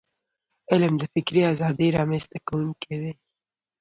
علم د فکري ازادی رامنځته کونکی دی.